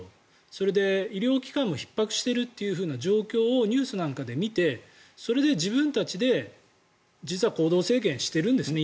それで、医療機関もひっ迫しているという状況をニュースなんかで見てそれで自分たちで実は行動制限しているんですね